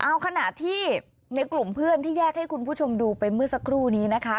เอาขณะที่ในกลุ่มเพื่อนที่แยกให้คุณผู้ชมดูไปเมื่อสักครู่นี้นะคะ